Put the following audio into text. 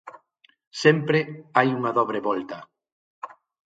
Sempre hai unha dobre volta.